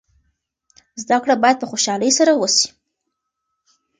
زده کړه باید په خوشحالۍ سره وسي.